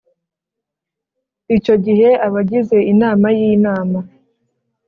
Icyo gihe abagize inama y inama